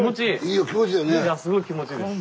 いやすごい気持ちいいです。